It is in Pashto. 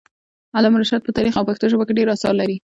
علامه رشاد په تاریخ او پښتو ژبه کي ډير اثار لري.